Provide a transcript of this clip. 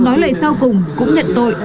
nói lời sau cùng cũng nhận tội